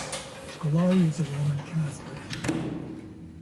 Scolari is a Roman Catholic.